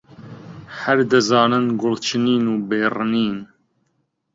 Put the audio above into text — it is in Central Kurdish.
هەر دەزانن گوڵ چنین و بەی ڕنین